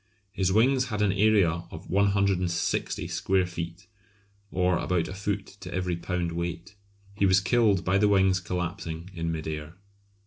His wings had an area of 160 square feet, or about a foot to every pound weight. He was killed by the wings collapsing in mid air.